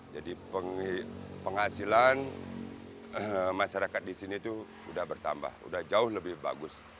jadi penghasilan masyarakat di sini itu sudah bertambah sudah jauh lebih bagus